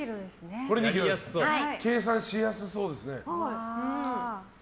計算しやすそうですね。